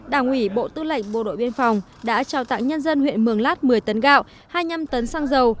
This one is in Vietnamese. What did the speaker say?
đảng ủy bộ tư lệnh bộ đội biên phòng đã trào tặng nhân dân huyện mường lát một mươi tấn gạo hai mươi năm tấn xăng dầu